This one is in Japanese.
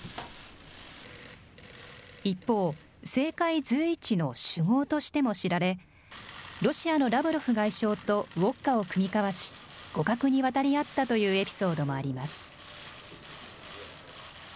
一方、政界随一の酒豪としても知られ、ロシアのラブロフ外相とウォッカを酌み交わし、互角に渡り合ったというエピソードもあります。